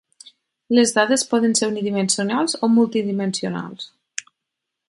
Les dades poden ser unidimensionals o multidimensionals.